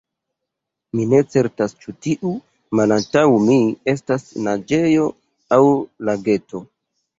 Mi ne certas ĉu tio, malantaŭ mi, estas naĝejo aŭ lageto.